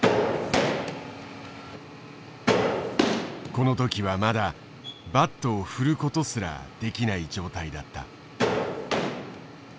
この時はまだバットを振ることすらできない状態だった。